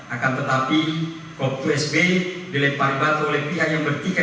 akan tetapi kop dua sb dilempar batu oleh pihak yang bertikai